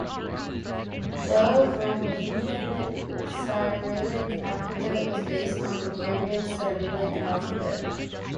The Romanian Cyrillic alphabet was based on Bulgarian Cyrillic alphabet.